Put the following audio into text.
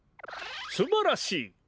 すばらしい！